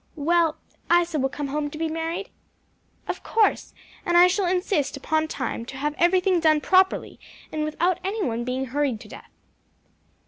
"Well, Isa will come home to be married?" "Of course; and I shall insist upon time to have everything done properly and without any one being hurried to death."